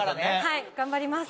はい頑張ります。